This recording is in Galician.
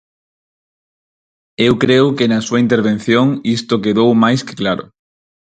Eu creo que na súa intervención isto quedou máis que claro.